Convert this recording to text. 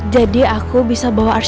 jadi aku bisa bawa arsyil